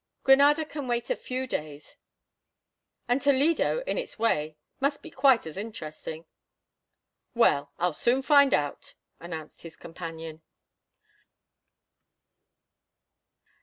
Granada can wait a few days, and Toledo, in its way, must be quite as interesting." "Well, I'll soon find out," announced his companion.